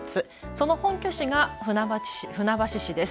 その本拠地が船橋市です。